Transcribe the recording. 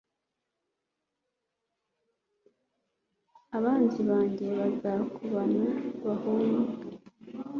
Abanzi banjye bazakubana bahunga